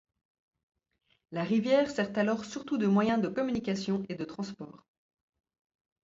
La rivière sert alors surtout de moyen de communication et de transport.